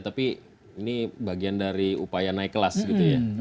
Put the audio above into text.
tapi ini bagian dari upaya naik kelas gitu ya